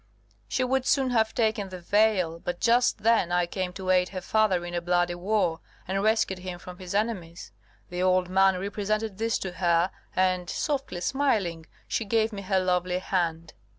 She would soon have taken the veil, but just then I came to aid her father in a bloody war, and rescued him from his enemies. The old man represented this to her, and, softly smiling, she gave me her lovely hand.